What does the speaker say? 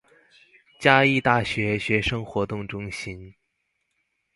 嘉義大學學生活動中心